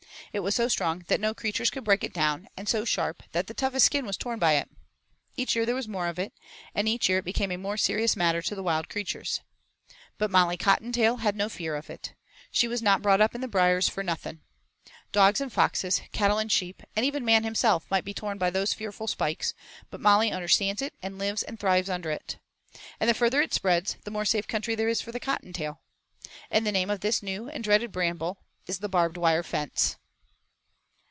It was so strong that no creatures could break it down, and so sharp that the toughest skin was torn by it. Each year there was more of it and each year it became a more serious matter to the wild creatures. But Molly Cottontail had no fear of it. She was not brought up in the briers for nothing. Dogs and foxes, cattle and sheep, and even man himself might be torn by those fearful spikes: but Molly understands it and lives and thrives under it. And the further it spreads the more safe country there is for the Cottontail. And the name of this new and dreaded bramble is the barbed wire fence.